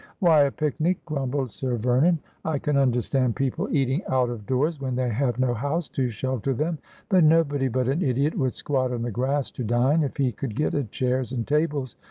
' Why a picnic ?' grumbled Sir Vernon. ' I can understand people eating out of doors when they have no house to shelter them, but nobody but an idiot would squat on the grass to dine if he could get at chairs and tables.